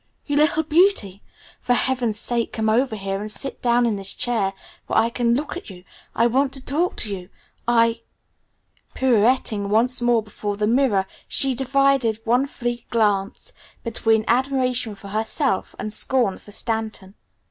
"You little beauty! For heaven's sake come over here and sit down in this chair where I can look at you! I want to talk to you! I " Pirouetting once more before the mirror, she divided one fleet glance between admiration for herself and scorn for Stanton.